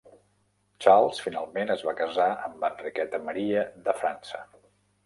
Charles finalment es va casar amb Enriqueta Maria de França.